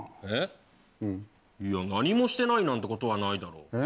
えっいや何もしてないなんてことはないだろう。